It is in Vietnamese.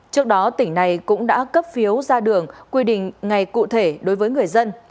trước đó tỉnh này cũng đã cấp phiếu ra đường quy định ngày cụ thể đối với người dân